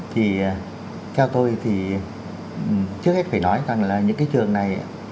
thì theo tôi thì trước hết phải nói rằng là những cái trường này